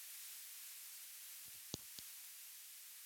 sita kujaza viti ambavyo vimeachwa wazi tangu